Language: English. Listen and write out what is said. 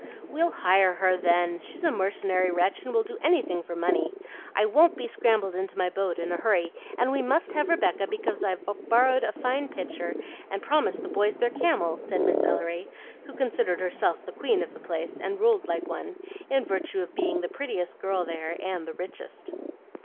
"We'll HIRE her, then; she's a mercenary wretch and will do anything for money. I won't be scrambled into my boat in a hurry, and we MUST have Rebecca because I've borrowed a fine pitcher and promised the boys their camel," said Miss Ellery, who considered herself the queen of the place and ruled like one, in virtue of being the prettiest girl there and the richest.